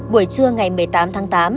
buổi trưa ngày một mươi tám tháng tám